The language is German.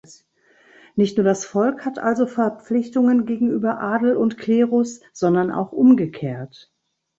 Nicht nur das Volk hat also Verpflichtungen gegenüber Adel und Klerus, sondern auch umgekehrt.